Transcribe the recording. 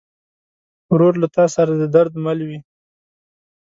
ورور له تا سره د درد مل وي.